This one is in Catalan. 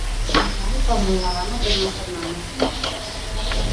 Els alls obren la gana per una setmana.